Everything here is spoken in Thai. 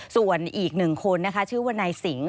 ส่วนอีก๑คนชื่อว่านายสิงห์